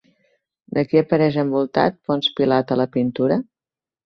De qui apareix envoltat Ponç Pilat a la pintura?